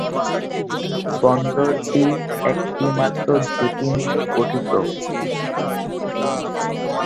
বন্দরটি একটি মাত্র জেটি নিয়ে গঠিত।